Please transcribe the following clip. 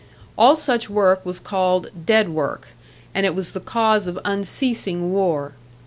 All such work was called "dead work," and it was the cause of unceasing war.